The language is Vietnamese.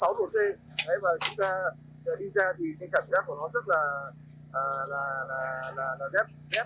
và chúng ta đi ra thì cái cảm giác của nó rất là dép